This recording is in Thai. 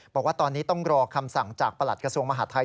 บอกว่าตอนนี้ต้องรอคำสั่งจากประหลัดกระทรวงมหาดไทย